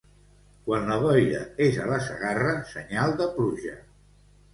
Quan la boira és a la Segarra, senyal de pluja.